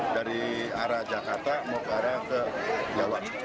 dari arah jakarta mau ke arah ke jawa